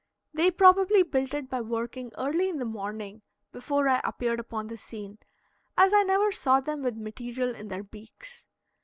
They probably built it by working early in the morning, before I appeared upon the scene, as I never saw them with material in their beaks.